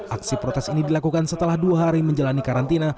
aksi protes ini dilakukan setelah dua hari menjalani karantina